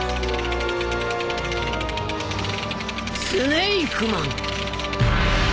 スネイクマン！